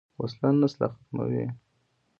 وسله نسل ختموي